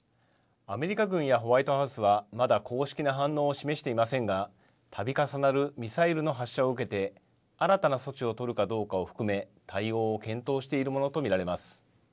アメリカ軍やホワイトハウスはまだ公式な反応を示していませんが、たび重なるミサイルの発射を受けて新たな措置を取るかどうかを含め対応を検討しているものと見られます。